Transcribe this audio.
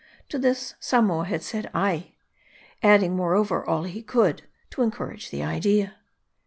To this, Samoa had said ay ; adding, moreover, all he could to encourage the idea.